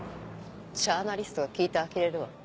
ジャーナリストが聞いて呆れるわ。